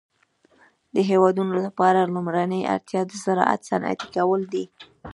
د هيوادونو لپاره لومړنۍ اړتيا د زراعت صنعتي کول دي.